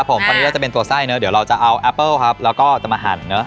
ผมตอนนี้เราจะเป็นตัวไส้เนอะเดี๋ยวเราจะเอาแอปเปิ้ลครับแล้วก็จะมาหั่นเนอะ